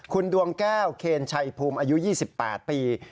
คุณดวงแก้วเคนชัยภูมิอายุ๒๘ปี